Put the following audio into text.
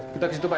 kita ke situ pak